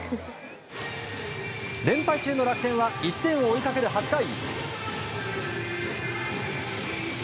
連敗中の楽天は１点を追いかける８回。